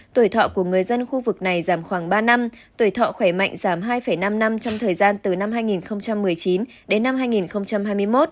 tuổi thọ của người dân khu vực này giảm khoảng ba năm tuổi thọ khỏe mạnh giảm hai năm năm trong thời gian từ năm hai nghìn một mươi chín đến năm hai nghìn hai mươi một